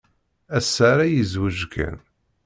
Ass-a ara yezweǧ Kan.